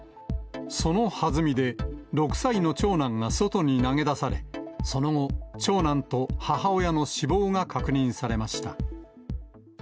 そのはずみで、６歳の長男が外に投げ出され、その後、長男と母親の死亡が確認されました。